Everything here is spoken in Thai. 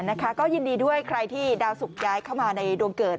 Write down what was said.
นะคะก็ยินดีด้วยใครที่ดาวสุกย้ายเข้ามาในดวงเกิด